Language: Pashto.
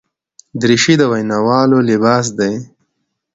دریشي د ویناوالو لباس دی.